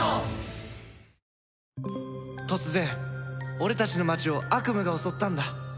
突然俺たちの町を悪夢が襲ったんだ